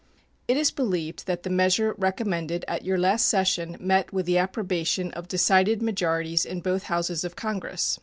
It is believed that the measure recommended at your last session met with the approbation of decided majorities in both Houses of Congress.